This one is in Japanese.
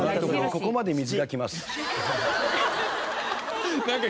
「ここまで水がきます」。